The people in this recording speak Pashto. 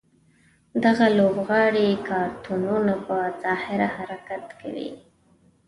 دغه لوبغاړي کارتونونه په ظاهره حرکت کوي.